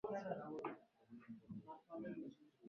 Uturuki tembelea sehemu ya Jiografia na Ramani kwenye